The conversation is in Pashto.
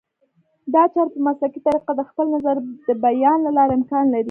دا چاره په مسلکي طریقه د خپل نظر د بیان له لارې امکان لري